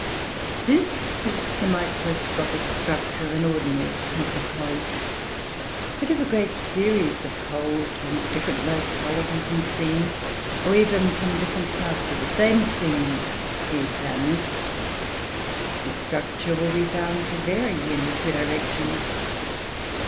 This is the microscopic structure of an ordinary piece of coal. But if a great series of coals, from different localities and seams, or even from different parts of the same seam, be examined, this structure will be found to vary in two directions.